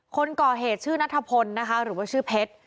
คนก่อเหตุชื่อนัทพลนะคะหรือว่าชื่อเพชร